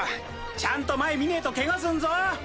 ちゃんと前見ねえとケガすんぞ！